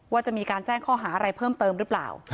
ว่าจะมีการแจ้งข้อหาอะไรเพิ่มเติมหรือเปล่า